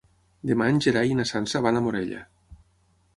Demà en Gerai i na Sança van a Morella.